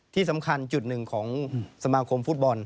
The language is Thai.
ที่สำคัญจุดหนึ่งของสมาคมฟุตบอล